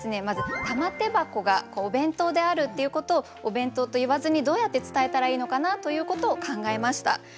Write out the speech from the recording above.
まず「玉手箱」がお弁当であるっていうことを「お弁当」と言わずにどうやって伝えたらいいのかなということを考えました。